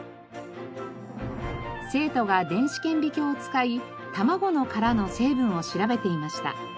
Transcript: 生徒が電子顕微鏡を使い卵の殻の成分を調べていました。